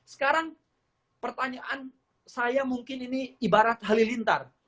sekarang pertanyaan saya mungkin ini ibarat halilintar